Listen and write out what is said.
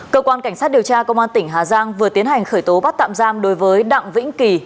cơ quan cảnh sát điều tra công an tỉnh hà giang vừa tiến hành khởi tố bắt tạm giam đối với đặng vĩnh kỳ